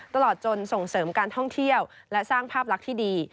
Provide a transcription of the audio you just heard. ตลอดจนส่งเสริมการท่องเที่ยวและสร้างภาพลักษณ์ที่ดี